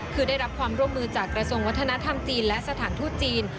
คือได้รับความร่วมมือจากกระทรวงวัฒนธรรมจีนและสถานทูตจีน